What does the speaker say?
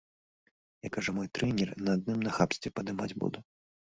Як кажа мой трэнер, на адным нахабстве падымаць буду.